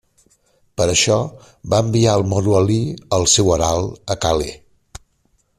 Per això, va enviar el moro Alí, el seu herald, a Calais.